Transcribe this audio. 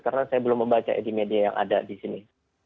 karena saya belum membaca ya di media yang ada di sini